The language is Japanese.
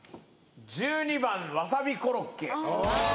１２番わさびコロッケ